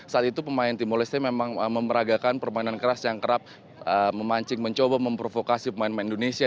saat itu pemain timor leste memang memeragakan permainan keras yang kerap memancing mencoba memprovokasi pemain pemain indonesia